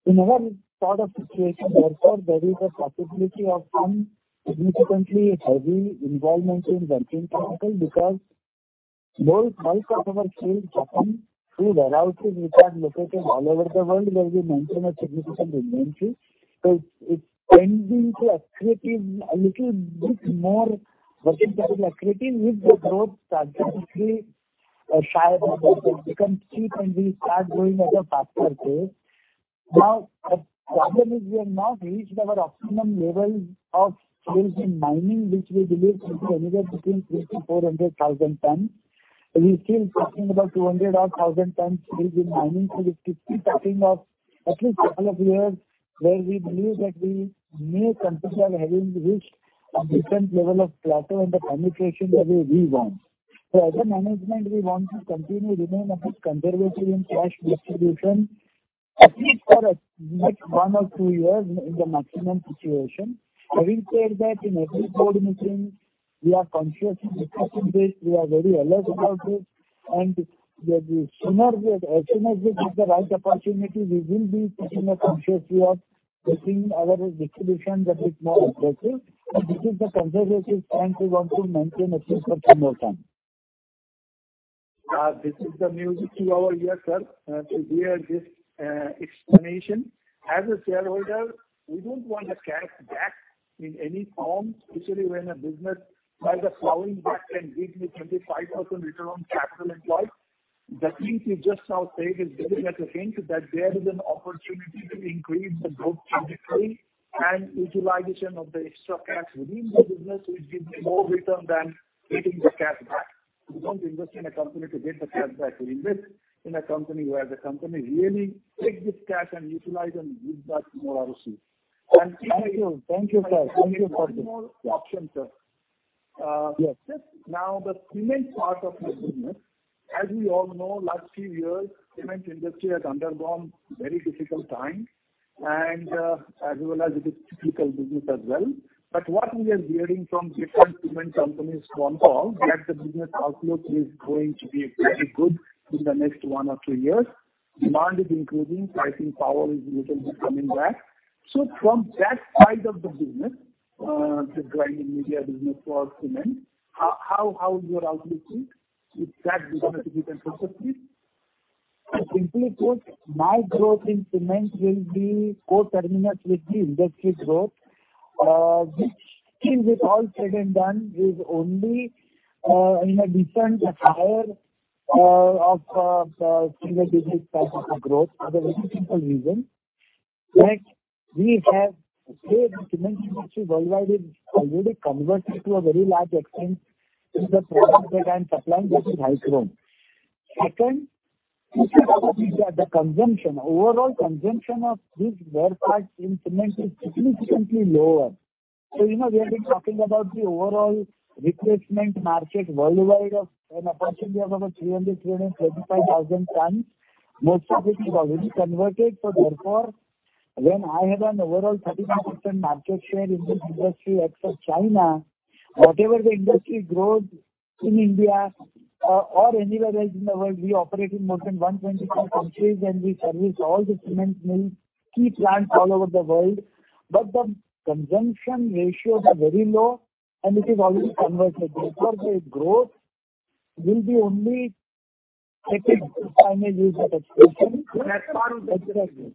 [SPEAKER 2] In our sort of situation, therefore, there is a possibility of some significantly heavy involvement in working capital because most of our sales happen through warehouses which are located all over the world, where we maintain a significant inventory. It's tending to be accretive a little bit more working capital accretive with the growth progressively, shy of what will become steep and will start growing at a faster pace. The problem is we have not reached our optimum level of mining, which we believe should be anywhere between 300,000-400,000 tons. We're still talking about 200,000-odd tons with the mining. It could be talking of at least a couple of years where we believe that we may consider having reached a different level of plateau and the penetration that we want. As a management, we want to continue remain a bit conservative in cash distribution, at least for the next one or two years in the maximum situation. Having said that, in every board meeting we are conscious discussing this, we are very alert about this and that as soon as we get the right opportunity, we will be taking a conscious view of taking our distribution a bit more aggressive. This is the music to our ears, sir, to hear this explanation. As a shareholder, we don't want the cash back in any form, especially when a business like a plowing horse can give me 25% return on capital employed. The thing you just now said is business hint that there is an opportunity to increase the growth trajectory and utilization of the extra cash within the business will give me more return than getting the cash back. We don't invest in a company to get the cash back. We invest in a company where the company really takes this cash and utilize and give back more ROCE.
[SPEAKER 7] Thank you. Thank you, sir. Thank you for this. One more option, sir. Yes. Just now the cement part of your business. As we all know, last few years, cement industry has undergone very difficult time and, as well as it is cyclical business as well. What we are hearing from different cement companies' concall, that the business outlook is going to be very good in the next one or two years. Demand is improving, pricing power is little bit coming back. So from that side of the business, the grinding media business for cement, how is your outlook seeing? Is that going to be beneficial, please?
[SPEAKER 2] To simply put, my growth in cement will be coterminous with the industry growth, which still with all said and done, is only in a decent rate of the single digit type of a growth for the very simple reason that we have said the cement industry worldwide is already converted to a very large extent to the product that I'm supplying, which is high chrome. Second, if you look at the consumption, overall consumption of these wear parts in cement is significantly lower. You know, we have been talking about the overall replacement market worldwide of approximately about 335,000 tons, most of which is already converted. Therefore, when I have an overall 35% market share in this industry except China, whatever the industry growth in India or anywhere else in the world, we operate in more than 125 countries, and we service all the cement mill key plants all over the world. The consumption ratios are very low and it is already converted. Therefore, the growth will be only secondary if I may use that expression. As far as that's concerned. Exactly.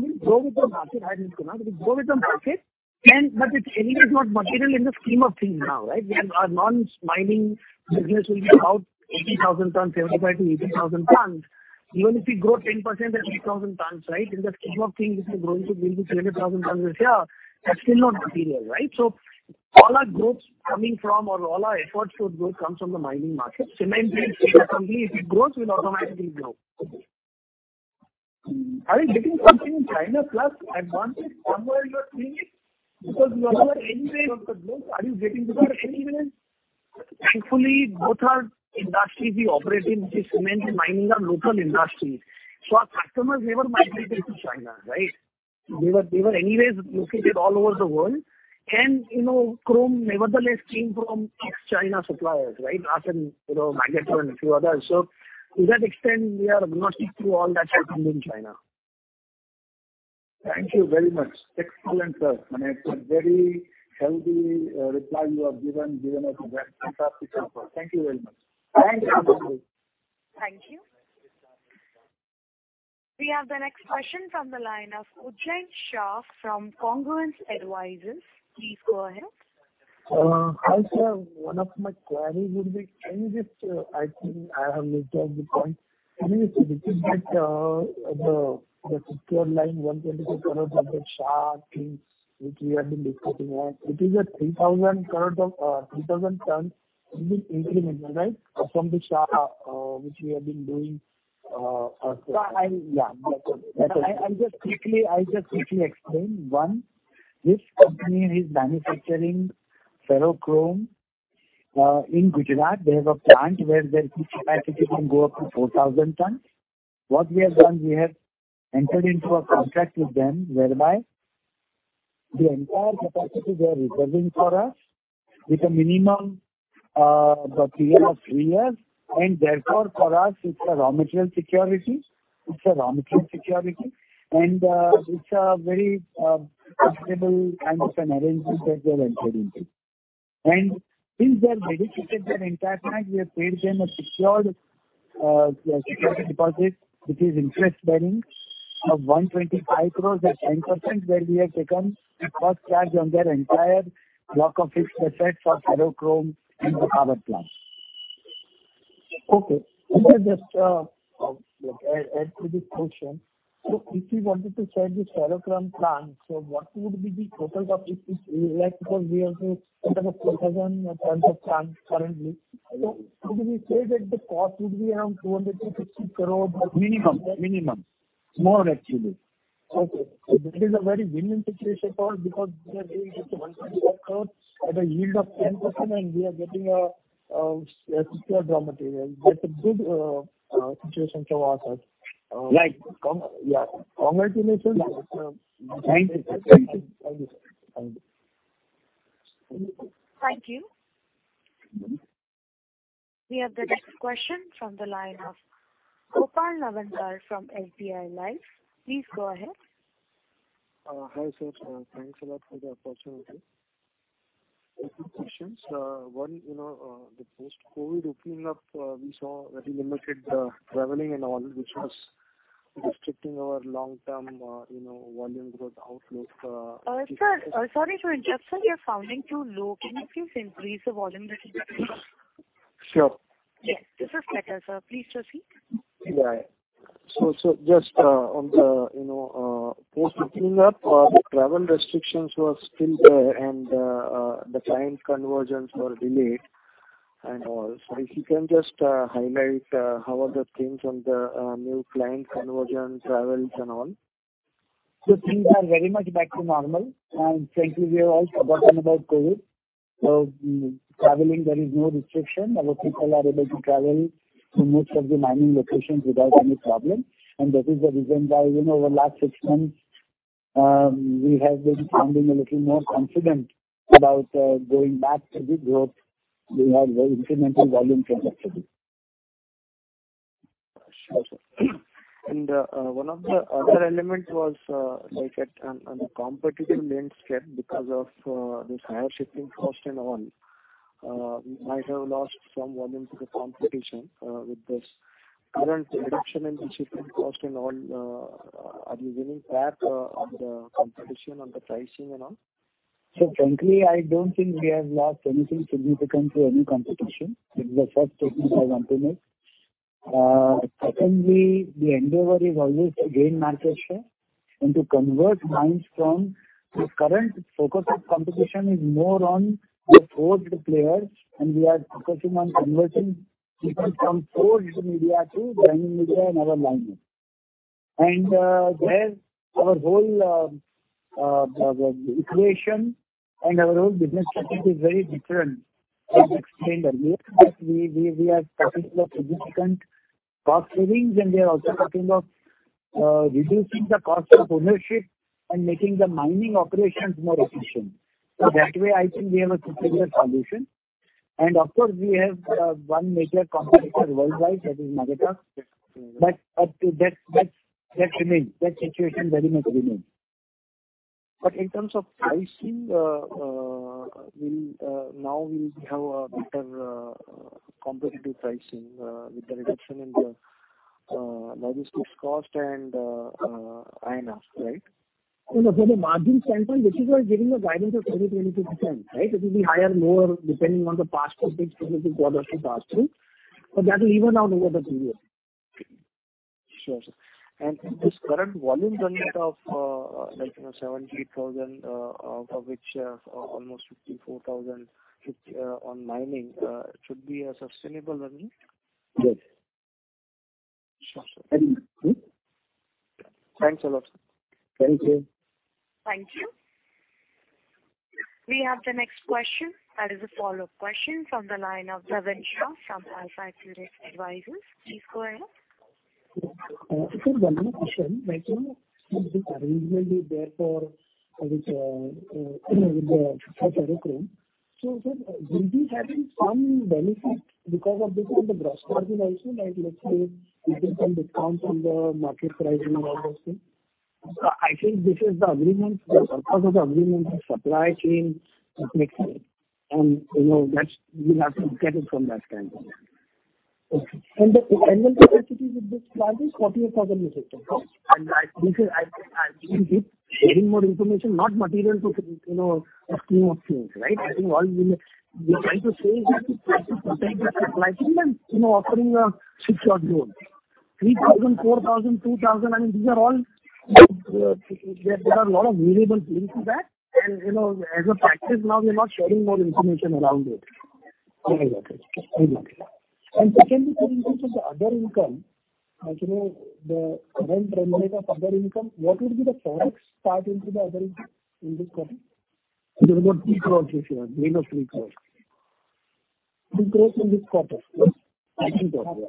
[SPEAKER 2] We go with the market, I repeat now. We go with the market and it's anyway not material in the scheme of things now, right? When our non-mining business will be about 80,000 tons, 75,000-80,000 tons. Even if we grow 10%, that's 8,000 tons, right? In the scheme of things, if we're growing to 3 to 300,000 tons this year, that's still not material, right? All our growth coming from or all our efforts for growth comes from the mining market. Cement will stay the same. If it grows, we'll automatically grow. Are you getting something in China plus advantage on your premium because you are anywhere of the globe? Are you getting to that anywhere? Thankfully, both our industries we operate in, which is cement and mining, are local industries, so our customers never migrated to China, right? They were anyways located all over the world. You know, chrome nevertheless came from ex-China suppliers, right? Us and, you know, Magotteaux and a few others. To that extent, we are not exposed to all that has happened in China. Thank you very much. Excellent, sir.
[SPEAKER 7] I mean, a very healthy reply you have given us a very fantastic info. Thank you very much.
[SPEAKER 2] Thank you.
[SPEAKER 1] Thank you. We have the next question from the line of Uday Shah from Credence Advisors. Please go ahead.
[SPEAKER 8] Hi, sir. One of my queries would be, can you just I think I have missed out the point. Can you just repeat that, the figure line 122 crore of the Shah thing which we have been discussing on. It is 3,000 crore of 3,000 tons to be implemented, right? From the Shah, which we have been doing ourselves.
[SPEAKER 2] Yeah. I'll just quickly explain. One, this company is manufacturing ferrochrome in Gujarat. They have a plant where their peak capacity can go up to 4,000 tons. What we have done, we have entered into a contract with them whereby the entire capacity they are reserving for us with a minimum period of three years. Therefore, for us it's a raw material security. It's a raw material security, and it's a very comfortable kind of an arrangement that we are entering into. Since they have dedicated their entire mine, we have paid them a secured security deposit which is interest-bearing of 125 crores at 10%, where we have taken first charge on their entire block of fixed assets of ferrochrome in the power plant.
[SPEAKER 8] Okay. Let me just add to this question. If you wanted to sell this ferrochrome plant, so what would be the total profit if you like? Because we have a total of 2,000 tons of plant currently. Could we say that the cost would be around 250 crore or.
[SPEAKER 2] Minimum. More actually. Okay.
[SPEAKER 8] That is a very winning situation for us because we are paying just INR 125 crores at a yield of 10%, and we are getting a secure raw material. That's a good situation from our side.
[SPEAKER 2] Right. Congratulations. Thank you. Thank you.
[SPEAKER 8] Thank you, sir. Thank you.
[SPEAKER 1] Thank you. We have the next question from the line of Gopal Nawandhar from SBI Life. Please go ahead.
[SPEAKER 9] Hi, sir. Thanks a lot for the opportunity. A few questions. One, you know, the post-COVID opening up, we saw very limited traveling and all, which was restricting our long-term, you know, volume growth outlook.
[SPEAKER 1] Sir. Sorry to interrupt, sir. You're sounding too low. Can you please increase the volume little bit?
[SPEAKER 9] Sure.
[SPEAKER 1] Yes. This is better, sir. Please proceed.
[SPEAKER 9] Just on the, you know, post opening up, the travel restrictions were still there and the client conversions were delayed and all. If you can just highlight how are the things on the new client conversions, travels, and all?
[SPEAKER 2] Things are very much back to normal. Frankly, we have all forgotten about COVID. Traveling, there is no restriction. Our people are able to travel to most of the mining locations without any problem. That is the reason why, you know, over last six months, we have been sounding a little more confident about going back to the growth. We have very incremental volume from that study.
[SPEAKER 9] Sure, sir. One of the other elements was, like, on a competitive landscape because of this higher shipping cost and all, we might have lost some volume to the competition, with this current reduction in the shipping cost and all. Are you winning back on the competition, on the pricing and all?
[SPEAKER 2] Frankly, I don't think we have lost anything significant to any competition. It's the first statement I want to make. Secondly, the endeavor is always to gain market share and to convert mines from the current focus of competition is more on the four big players, and we are focusing on converting people from forged media to branded media and other mining. There our whole equation and our whole business strategy is very different. As explained earlier that we are talking of significant cost savings, and we are also talking of reducing the cost of ownership and making the mining operations more efficient. That way I think we have a superior solution. Of course, we have one major competitor worldwide that is Magotteaux. Up to that remains. That situation very much remains.
[SPEAKER 9] In terms of pricing, now will we have a better competitive pricing with the reduction in the logistics cost and iron ore, right?
[SPEAKER 2] You know, from a margin standpoint, this is why giving a guidance of 20%-22%, right? It will be higher or lower depending on the past performance specific quarters to pass through. That will even out over the period.
[SPEAKER 9] Sure, sir. This current volume running of 78,000, like, you know, out of which almost 54,000 is on mining, should be a sustainable earning?
[SPEAKER 2] Yes.
[SPEAKER 9] Sure, sir.
[SPEAKER 2] And.
[SPEAKER 9] Thanks a lot, sir.
[SPEAKER 2] Thank you.
[SPEAKER 1] Thank you. We have the next question that is a follow-up question from the line of Dhavan Shah from AlfAccurate Advisors. Please go ahead.
[SPEAKER 5] It's a similar question. Like, you know, this arrangement is there for, I think, you know, with the, for ferrochrome. Will we be having some benefit because of this on the gross margin also like let's say we get some discount on the market pricing and all those things?
[SPEAKER 2] I think this is the agreement. The purpose of the agreement is supply chain stability. You know, we'll have to get it from that standpoint.
[SPEAKER 5] Okay. The annual capacity with this plant is 48,000 units per year.
[SPEAKER 2] I think with sharing more information, not material to, you know, a scheme of things, right? I think all we're trying to say is that we've taken the supply chain and, you know, offering a fixed lot load. 3,000, 4,000, 2,000, I mean, these are all, there are a lot of variables linked to that. You know, as a practice now, we are not sharing more information around it.
[SPEAKER 5] Yeah. Okay. Secondly, coming to the other income, as you know, the current trend rate of other income, what would be the Forex part into the other income in this quarter?
[SPEAKER 2] There is about INR 3 crore this year. Less than INR 3 crore. The growth in this quarter. Yes.
[SPEAKER 5] I see. Got you.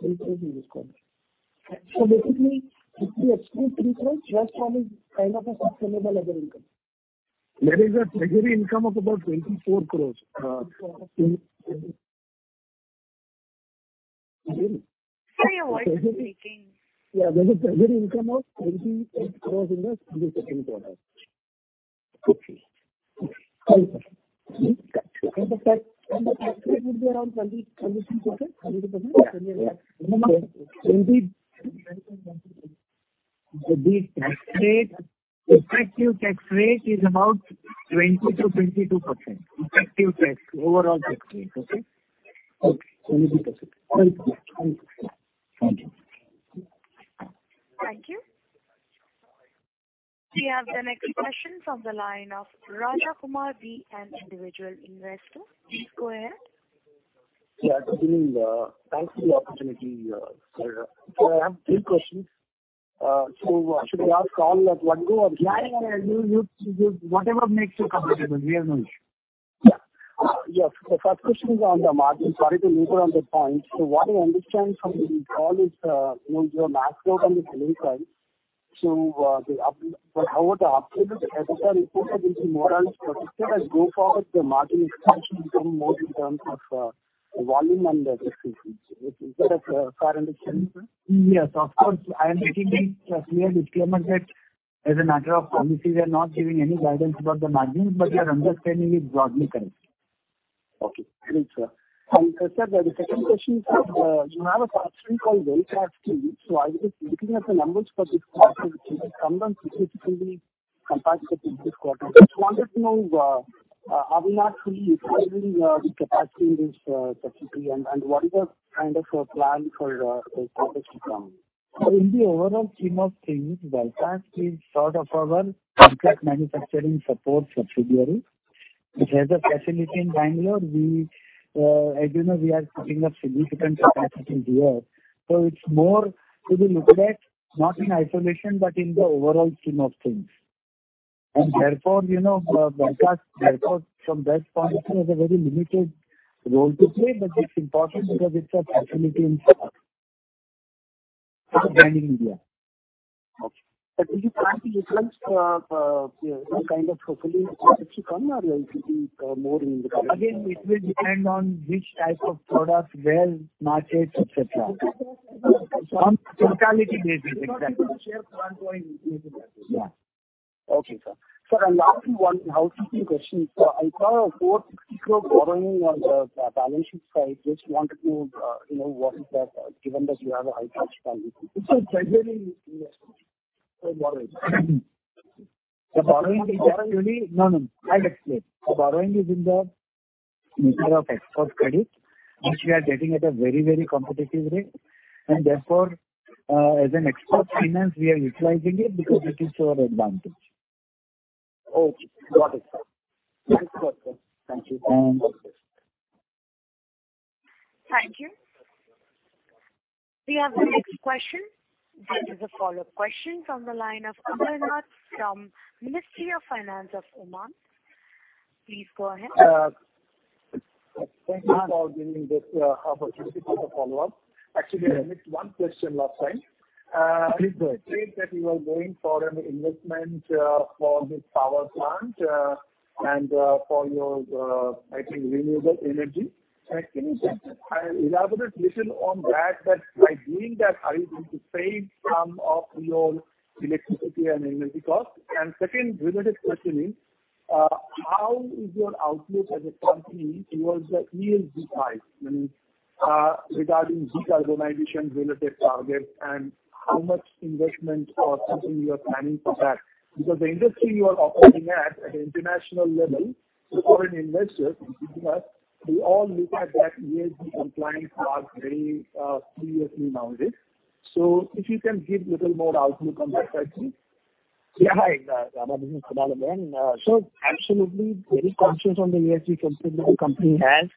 [SPEAKER 2] The growth in this quarter.
[SPEAKER 5] Basically, if we exclude pre-close, rest all is kind of a sustainable other income.
[SPEAKER 2] There is a treasury income of about 24 crores.
[SPEAKER 5] Okay.
[SPEAKER 1] Sorry, your voice is breaking.
[SPEAKER 2] Yeah, there is treasury income of 28 crores in the quarter.
[SPEAKER 5] Okay. The tax rate would be around 20%, 30%?
[SPEAKER 2] Yeah. Yeah. The tax rate, effective tax rate is about 20%-22%. Effective tax, overall tax rate. Okay?
[SPEAKER 5] Okay. 20%. Thank you. Thank you.
[SPEAKER 1] Thank you. We have the next question from the line of Raja Kumar V, an individual investor. Please go ahead.
[SPEAKER 10] Yeah, good evening. Thanks for the opportunity, sir. I have three questions. Should I ask all at one go or?
[SPEAKER 2] Yeah. You whatever makes you comfortable. No rush. Yeah.
[SPEAKER 10] Yes. The first question is on the margin. Sorry to loop around that point. What I understand from the call is, you are maxed out on the silicon. But how about the upstream capital intensity more so, but instead as we go forward, the margin expansion become more in terms of, volume and efficiencies. Is that a fair understanding, sir?
[SPEAKER 2] Yes, of course. I am making a clear disclaimer that as a matter of policy, we are not giving any guidance about the margins, but your understanding is broadly correct.
[SPEAKER 10] Okay, great, sir. Sir, the second question is, you have a subsidiary called Welcast Steels. I was just looking at the numbers for this quarter, which has come down significantly compared to the previous quarter. Just wanted to know, are we not fully utilizing the capacity in this subsidiary and what is the kind of plan for this to come?
[SPEAKER 2] In the overall scheme of things, Welcast Steels is sort of our contract manufacturing support subsidiary, which has a facility in Bangalore. We, as you know, we are putting up significant capacities here, so it's more to be looked at not in isolation, but in the overall scheme of things. Therefore, you know, Welcast Steels, therefore from that point has a very limited role to play. But it's important because it's a facility in India. Okay.
[SPEAKER 10] Do you plan to utilize, you know, kind of hopefully in the future come or it will be more in the.
[SPEAKER 2] Again, it will depend on which type of product, where, markets, et cetera. On totality basis. Exactly. Share current going into that.
[SPEAKER 10] Yeah. Okay, sir. Sir, lastly, one housekeeping question. I saw a INR 460 crore borrowing on the balance sheet side. Just wanted to, you know, what is that given that you have a high cash balance?
[SPEAKER 2] It's a treasury borrowing. The borrowing is actually. No, no. I'll explain. The borrowing is in the nature of export credit, which we are getting at a very, very competitive rate. Therefore, as an export finance, we are utilizing it because it is to our advantage.
[SPEAKER 10] Okay. Got it, sir. Yes. Perfect. Thank you, sir. Thanks.
[SPEAKER 1] Thank you. We have the next question. This is a follow-up question from the line of Amarnath from Ministry of Finance of Oman. Please go ahead.
[SPEAKER 7] Thank you for giving this opportunity for the follow-up. Actually, I missed one question last time.
[SPEAKER 2] Please go ahead.
[SPEAKER 7] You said that you are going for an investment for this power plant and for your, I think renewable energy. Can you just elaborate little on that by doing that, are you going to save some of your electricity and energy cost? And second related question is, how is your outlook as a company towards the ESG side, means, regarding decarbonization related targets and how much investment or something you are planning for that? Because the industry you are operating at the international level, the foreign investors, because they all look at that ESG compliance part very seriously nowadays. So if you can give little more outlook on that side please.
[SPEAKER 2] Yeah. Amarnath, good afternoon. Absolutely very conscious on the ESG front that the company has.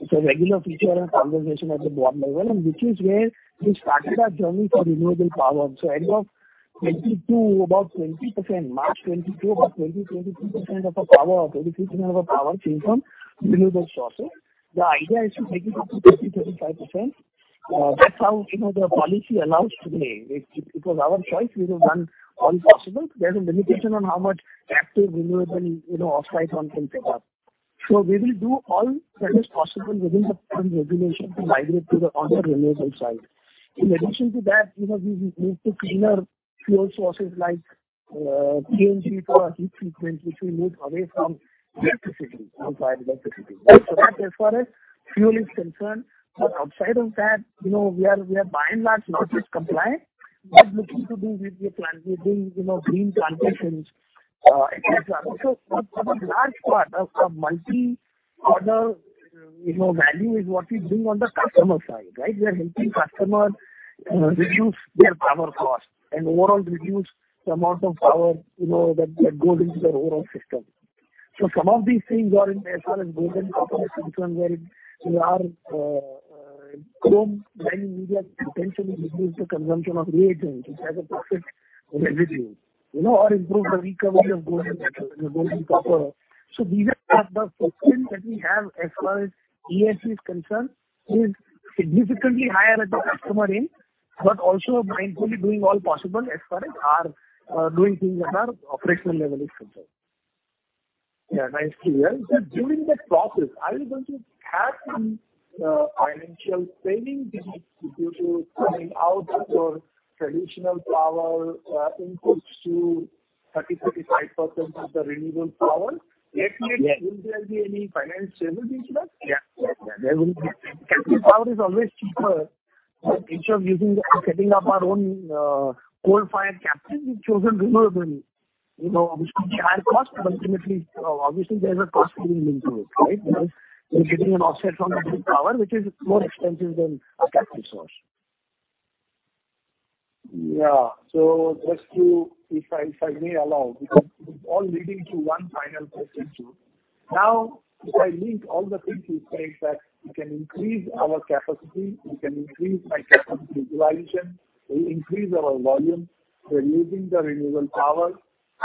[SPEAKER 2] It's a regular feature and conversation at the board level, and which is where we started our journey to renewable power. As of 2022, about 20%, March 2022, about 20%-23% of our power, or 23% of our power came from renewable sources. The idea is to make it up to 30%-35%. That's how, you know, the policy allows today. If it was our choice, we would have done all possible. There's a limitation on how much captive renewable, you know, off-site one can pick up. We will do all that is possible within the current regulation to migrate to the other renewable side. In addition to that, you know, we move to cleaner fuel sources like CNG for our heat treatment, which we move away from electricity, from fired electricity. That's as far as fuel is concerned. Outside of that, you know, we are by and large not just compliant. We are looking to do green plantations, et cetera. The large part of multi other, you know, value is what we bring on the customer side, right? We are helping customer reduce their power cost and overall reduce the amount of power, you know, that goes into their overall system. Some of these things are in ESG and building components where we are high-chrome grinding media potentially reduce the consumption of reagents which has an effect, you know, or improve the recovery of gold and metal, you know, gold and copper. These are the impacts that we have as far as ESG is concerned is significantly higher at the customer end, but also mindfully doing all possible as far as our doing things at our operational level is concerned.
[SPEAKER 7] Yeah, nicely. During that process, are you going to have some financial strain to the business due to phasing out your traditional power inputs to 30%-35% of the renewable power? Yes. Will there be any financial savings in that?
[SPEAKER 2] Yeah. There will be. Captive power is always cheaper. Instead of using that and setting up our own coal-fired captive, we've chosen renewable, you know, which could be higher cost, but ultimately, obviously there is a cost saving into it, right? Because we're getting an offset from RE power which is more expensive than a captive source.
[SPEAKER 7] If I may add, because it's all leading to one final question to you. Now, if I link all the things you said, that we can increase our capacity, we can increase our capacity utilization, we increase our volumes, we're using the renewable power.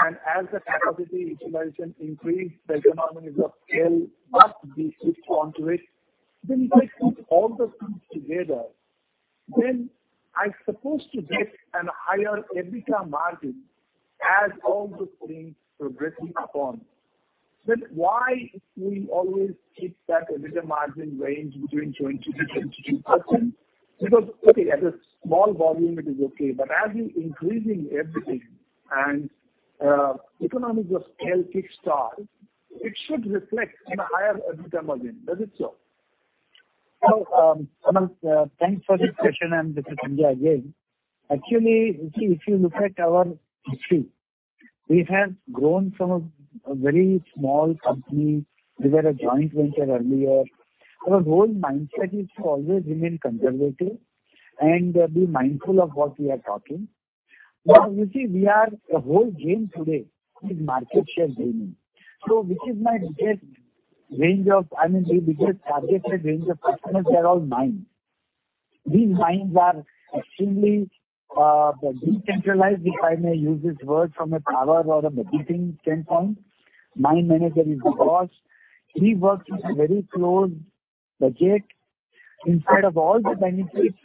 [SPEAKER 7] As the capacity utilization increases, the economies of scale must be kicked into it. If I put all those things together, I'm supposed to get a higher EBITDA margin as all those things progress. Why we always keep that EBITDA margin range between 20%-22%? Because, okay, as a small volume it is okay, but as you're increasing everything and, economics of scale kickstart, it should reflect in a higher EBITDA margin. Does it so?
[SPEAKER 3] No. Amarnath, thanks for this question. This is Sanjay again. Actually, you see, if you look at our history, we have grown from a very small company. We were a joint venture earlier. Our whole mindset is to always remain conservative and, be mindful of what we are talking. You see, our whole game today is market share gaining. This is my biggest range of, I mean, the biggest targeted range of customers, they're all mines. These mines are extremely, decentralized, if I may use this word from a power or a budgeting standpoint. Mine manager is the boss. He works with a very close budget. Instead of all the benefits,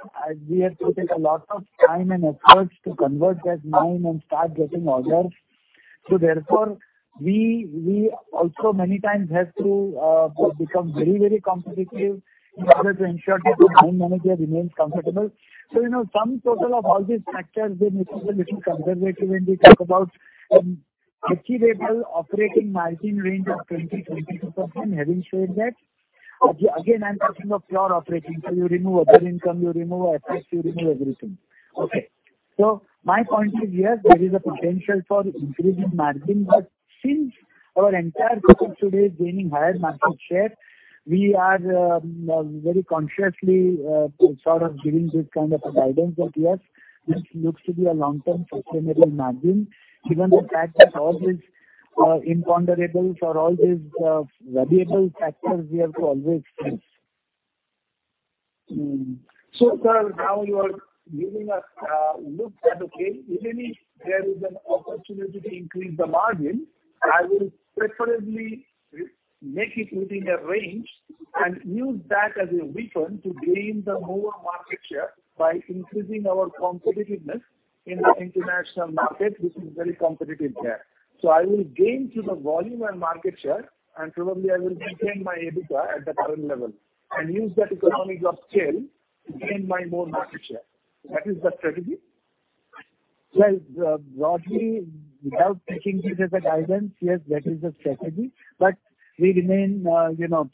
[SPEAKER 3] we have to take a lot of time and efforts to convert that mine and start getting orders. Therefore we also many times have to become very competitive in order to ensure that the mine manager remains comfortable. You know, sum total of all these factors, we may be a little conservative when we talk about achievable operating margin range of 20%-22%. Having said that, again, I'm talking of pure operating. You remove other income, you remove FX, you remove everything. Okay. My point is, yes, there is a potential for increasing margin, but since our entire focus today is gaining higher market share, we are very consciously sort of giving this kind of a guidance that yes, this looks to be a long-term sustainable margin, given the fact that all these imponderables or all these variable factors we have to always face. Sir, now you are giving a look that, okay, even if there is an opportunity to increase the margin, I will preferably rein it in within a range and use that as a weapon to gain more market share by increasing our competitiveness in the international market, which is very competitive there. I will gain through the volume and market share, and probably I will maintain my EBITDA at the current level and use that economies of scale to gain my more market share. That is the strategy? Well, broadly, without taking it as a guidance, yes, that is the strategy. We remain, you know,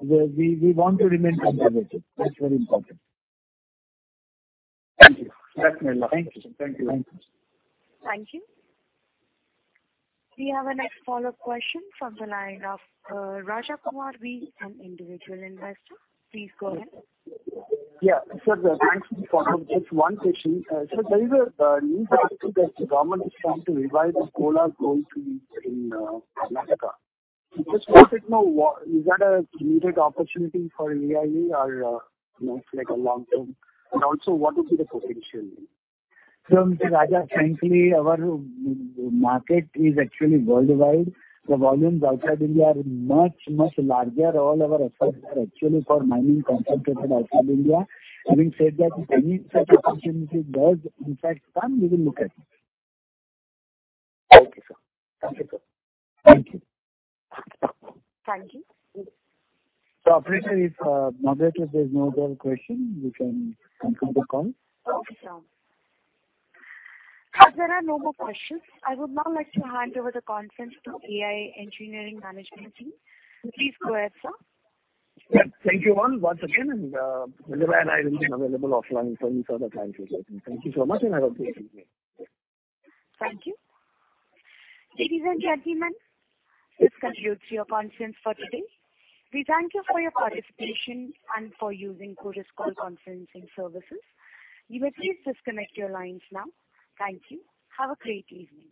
[SPEAKER 3] we want to remain conservative. That's very important.
[SPEAKER 7] Thank you. Definitely. Thank you, sir. Thank you. Thank you.
[SPEAKER 1] Thank you. We have our next follow-up question from the line of Raja Kumar V., an individual investor. Please go ahead.
[SPEAKER 10] Sir, thanks for the call. Just one question. Sir, there is a news article that the government is trying to revive the Kolar Gold Fields in Karnataka. Just wanted to know is that a needed opportunity for AIA or, you know, it's like a long term? Also what is the potential here?
[SPEAKER 2] Mr. Raja Kumar V, frankly, our market is actually worldwide. The volumes outside India are much, much larger. All our efforts are actually for mining concentrated outside India. Having said that, if any such opportunity does in fact come, we will look at it. Thank you, sir. Thank you, sir. Thank you.
[SPEAKER 1] Thank you.
[SPEAKER 2] Operator, moderator, there's no further question, we can conclude the call.
[SPEAKER 1] Okay, sir. As there are no more questions, I would now like to hand over the conference to AIA Engineering management team. Please go ahead, sir.
[SPEAKER 2] Yeah. Thank you all once again, and Madhav and I will be available offline for any further client relations. Thank you so much, and have a great evening.
[SPEAKER 1] Thank you. Ladies and gentlemen, this concludes your conference for today. We thank you for your participation and for using Chorus Call conferencing services. You may please disconnect your lines now. Thank you. Have a great evening.